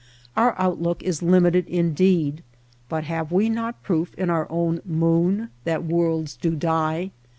Our outlook is limited in deed, but have we not proof in our own moon that worlds do die